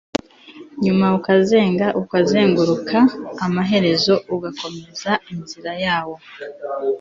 nyuma ukazenga ukazenguruka, amaherezo ugakomeza inzira yawo